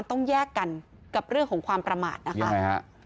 มันต้องแยกกันกับเรื่องของความประมาทนะคะ